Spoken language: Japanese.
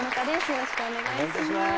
よろしくお願いします。